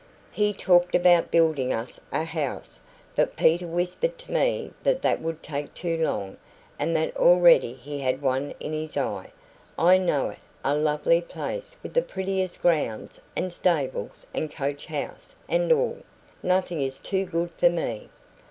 He talked about building us a house, but Peter whispered to me that that would take too long, and that already he had one in his eye (I know it a lovely place, with the prettiest grounds, and stables, and coach house, and all). Nothing is too good for me.